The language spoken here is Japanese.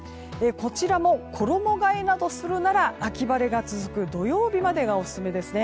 こちらも衣替えなどするなら秋晴れが続く土曜日までがオススメですね。